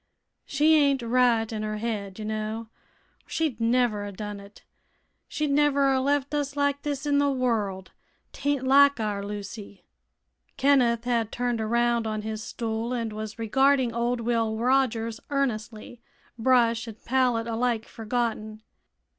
She ain't right in her head, ye know, or she'd never a done it. She'd never a left us like this in th' world. 'Taint like our Lucy." Kenneth had turned around on his stool and was regarding old Will Rogers earnestly, brush and pallet alike forgotten.